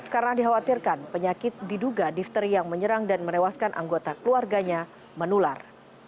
karena dikhawatirkan penyakit diduga difteri yang menyerang dan merewaskan anggota keluarganya menular